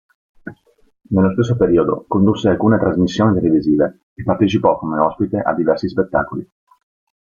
Nello stesso periodo condusse alcune trasmissioni televisive e partecipò come ospite a diversi spettacoli.